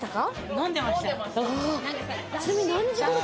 飲んでました。